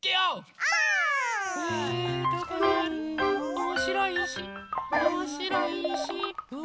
おもしろいいしおもしろいいし。